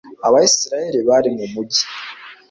abayisraheli bari mu mugi